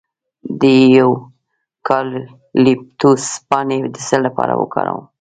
د یوکالیپټوس پاڼې د څه لپاره وکاروم؟